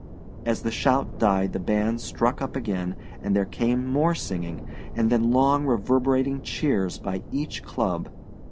As the shout died the band struck up again and there came more singing, and then long reverberating cheers by each club.